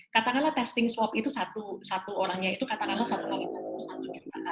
katakanlah testing swab itu satu orangnya itu katakanlah satu kali satu kira kira